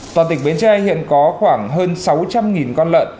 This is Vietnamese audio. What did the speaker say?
toàn tỉnh bến tre hiện có khoảng hơn sáu trăm linh con lợn